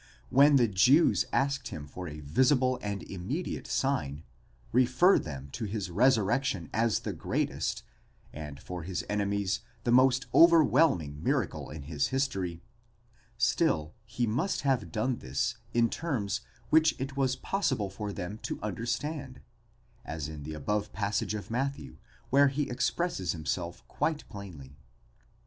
when the Jews asked him for a visible and immediate sign, refer them to his resurrection as the greatest, and for his enemies the most overwhelming miracle in his history: still he must have done this in terms which it was possible for them to understand (as in the above passage of Matthew, where he expresses himself quite plainly).